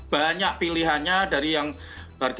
banyak pilihannya dari yang harga paling bawah sampai yang paling tinggi